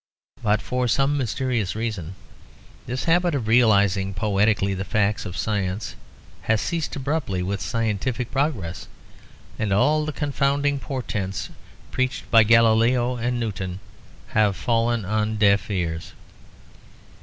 But for some mysterious reason this habit of realizing poetically the facts of science has ceased abruptly with scientific progress, and all the confounding portents preached by Galileo and Newton have fallen on deaf ears.